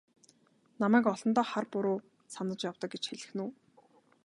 Намайг олондоо хар буруу санаж явдаг гэж хэлэх нь үү?